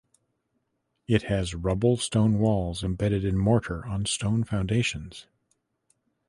It has rubble stone walls embedded in mortar on stone foundations.